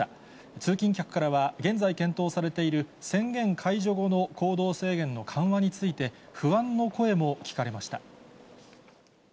通勤客からは、現在検討されている宣言解除後の行動制限の緩和について、不安の声も聞かれました。